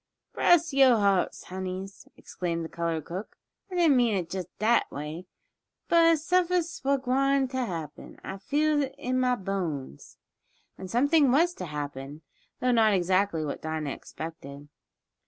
"Bress yo' hearts, honeys!" exclaimed the colored cook, "I didn't mean it jest dat way. But suffin's suah gwine t' happen I feels it in mah bones!" And something was to happen, though not exactly what Dinah expected.